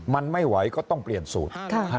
มันไม่ไหวก็ต้องเปลี่ยนสูตร